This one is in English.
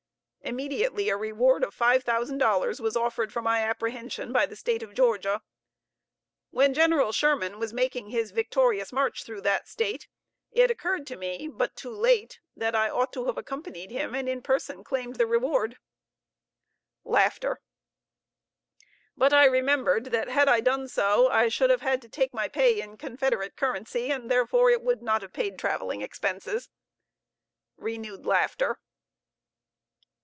Immediately a reward of five thousand dollars was offered for my apprehension, by the State of Georgia. When General Sherman was making his victorious march through that State, it occurred to me, but too late, that I ought to have accompanied him, and in person claimed the reward but I remembered, that, had I done so, I should have had to take my pay in Confederate currency, and therefore it would not have paid traveling expenses. (Renewed laughter.)